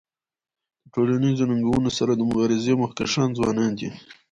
د ټولنیزو ننګونو سره د مبارزی مخکښان ځوانان دي.